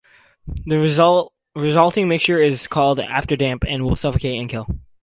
The resulting mixture is called afterdamp and will suffocate and kill.